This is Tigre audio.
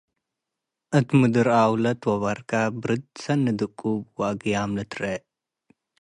እት ምድር ኣውለት ወበርከ ብርድ ሰኒ ድቁብ ወአግያም ልትርኤ ።